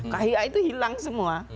kia itu hilang semua